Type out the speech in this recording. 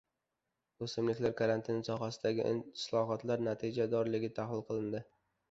O‘simliklar karantini sohasidagi islohotlar natijadorligi tahlil qilindi